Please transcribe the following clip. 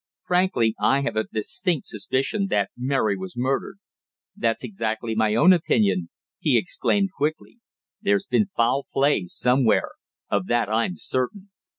Frankly, I have a distinct suspicion that Mary was murdered." "That's exactly my own opinion," he exclaimed quickly. "There's been foul play somewhere. Of that I'm certain."